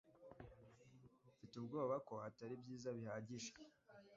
Mfite ubwoba ko atari byiza bihagije